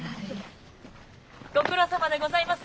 ご苦労さまでございます。